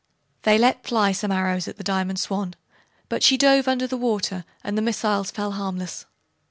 They let fly some arrows at the Diamond Swan, but she dove under the water and the missiles fell harmless.